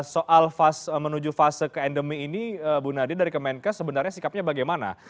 soal menuju fase ke endemi ini bu nadia dari kemenkes sebenarnya sikapnya bagaimana